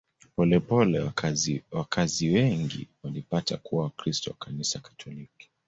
Polepole wakazi wengi walipata kuwa Wakristo wa Kanisa Katoliki.